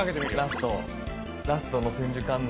ラストラストの「千手観音」。